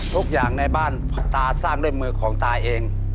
ทุกอย่างในบ้านตาสร้างด้วยมือของตาเอง